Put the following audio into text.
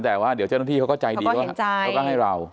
แต่ว่าเดี๋ยวเจ้าหน้าที่เขาก็ใจดีว่าเขาก็ให้เรา